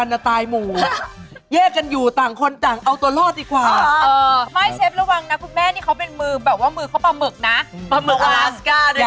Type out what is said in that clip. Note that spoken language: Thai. สบายดีหรือเปล่าไหนเอาเมื่อไหนจ๊ะ